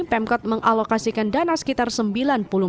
pemkot mengalokasikan dana sekitar sementara